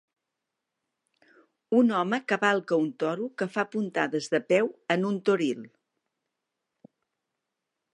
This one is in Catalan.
Un home cavalca un toro que fa puntades de peu en un toril.